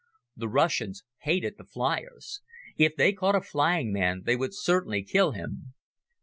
The Russians hated the flyers. If they caught a flying man they would certainly kill him.